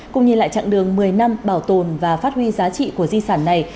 cùng nhìn lại chặng đường một mươi năm bảo tồn và phát huy giá trị của di sản này